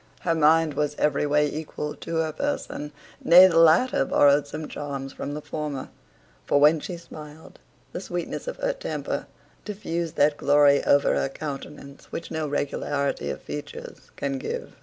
Her mind was every way equal to her person; nay, the latter borrowed some charms from the former; for when she smiled, the sweetness of her temper diffused that glory over her countenance which no regularity of features can give.